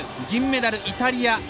銀メダル、イタリア。